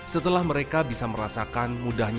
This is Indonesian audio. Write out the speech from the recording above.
setelah mereka bisa merasakan mudahnya